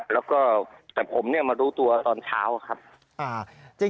แล้วก็ผมมารู้ตัวตอนเช้า